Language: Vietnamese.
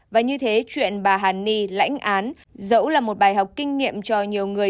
và như thế chuyện bà hằng nhi lãnh án dẫu là một bài học kinh nghiệm cho nhiều người